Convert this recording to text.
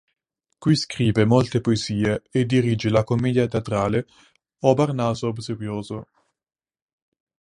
Qui scrive molte poesie e dirige la commedia teatrale "O Parnaso Obsequioso".